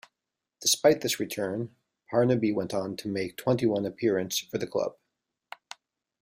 Despite this return, Parnaby went on to make twenty-one appearance for the club.